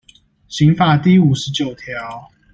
刑法第五十九條